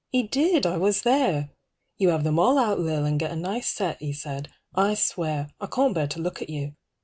He did, I was there. You have them all out, Lil, and get a nice set, He said, I swear, I can't bear to look at you.